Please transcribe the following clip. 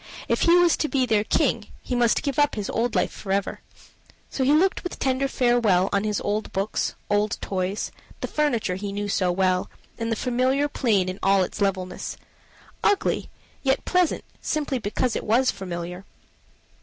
If he was to be their king, he must give up his old life forever. So he looked with tender farewell on his old books, old toys, the furniture he knew so well, and the familiar plain in all its levelness ugly yet pleasant, simply because it was familiar.